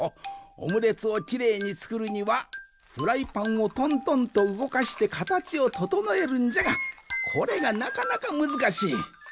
オムレツをきれいにつくるにはフライパンをトントンとうごかしてかたちをととのえるんじゃがこれがなかなかむずかしい。